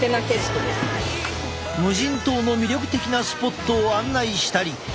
無人島の魅力的なスポットを案内したり。